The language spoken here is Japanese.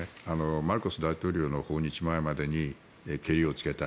マルコス大統領の訪日前までにけりをつけたい。